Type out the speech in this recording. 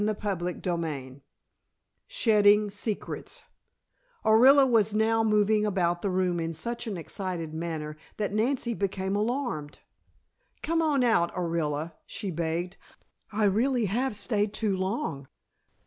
CHAPTER XXIII SHEDDING SECRETS Orilla was now moving about the room in such an excited manner that Nancy became alarmed! "Come on out, Orilla," she begged. "I really have stayed too long.